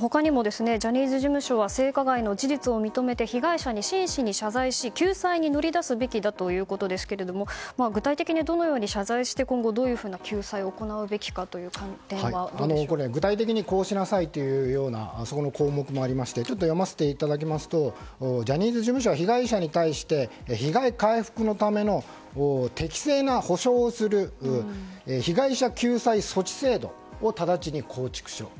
他にも、ジャニーズ事務所は性加害の事実を認めて被害者に真摯に謝罪し救済に乗り出すべきだということですが具体的にどのように謝罪して今後どのような救済を行うべきかという観点は具体的にこうしなさいという項目もありましてジャニーズ事務所は被害者に対して被害回復のための適正な補償をする被害者救済措置制度を直ちに構築しろと。